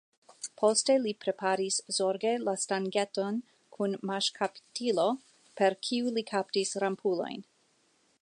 Poste li preparis zorge la stangeton kun maŝkaptilo, per kiu li kaptis rampulojn.